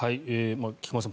菊間さん